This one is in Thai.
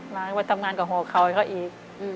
มาทำงานกับหอเข่าให้เขาอีก